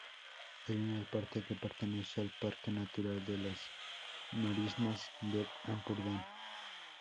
Hay una parte que pertenece al Parque Natural de las Marismas del Ampurdán.